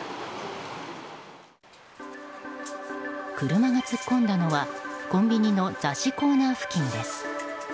車が突っ込んだのはコンビニの雑誌コーナー付近です。